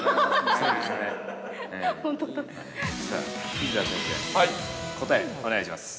◆伊沢先生、答えお願いします。